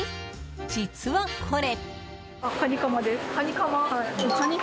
実はこれ。